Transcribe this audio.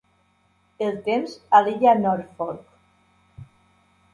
El temps a l'illa Norfolk